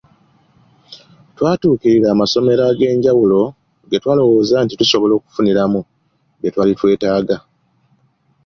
Twatuukirira amasomero ag’enjawulo ge twalowooza nti tusobola okufuniramu bye twali twetaaga.